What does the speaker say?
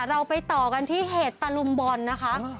เราไปต่อกันที่เหตุตะลุมบอลนะคะ